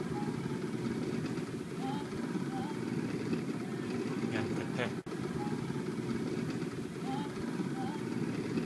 Yan katí!